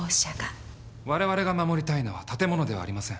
われわれが守りたいのは建物ではありません。